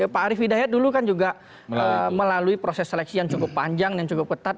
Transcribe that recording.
pak arief hidayat dulu kan juga melalui proses seleksi yang cukup panjang dan cukup ketat